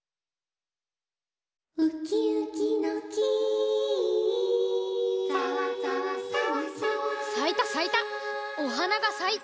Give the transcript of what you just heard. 「ウキウキの木」さいたさいた。